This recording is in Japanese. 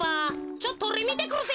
ちょっとおれみてくるぜ。